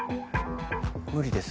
無理です